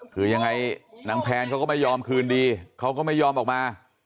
คือยังไงนางแพนเขาก็ไม่ยอมคืนดีเขาก็ไม่ยอมออกมา